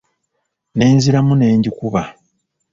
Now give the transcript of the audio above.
Nenziramu n'engikuba.